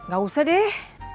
gak usah deh